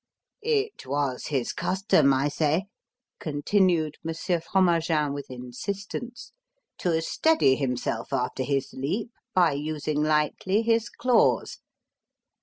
"It was his custom, I say," continued Monsieur Fromagin with insistence, "to steady himself after his leap by using lightly his claws.